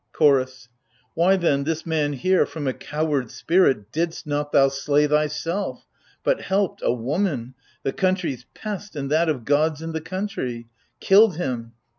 CHORDS. Why then, this man here, from a coward spirit, Didst not thou slay thyself? But,— helped,— a woman, The country's pest, and that of gods o' the country. Killed him